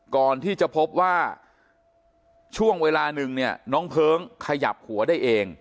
ก่อนที่จะพบว่าช่วงเวลาหนึ่งเนี่ยน้องเพลิงขยับหัวได้เอง